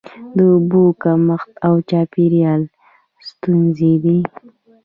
د اوبو کمښت او چاپیریال ستونزې دي.